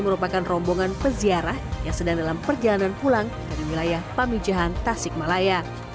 merupakan rombongan peziarah yang sedang dalam perjalanan pulang dari wilayah pamijahan tasikmalaya